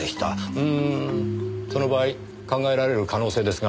うーんその場合考えられる可能性ですが。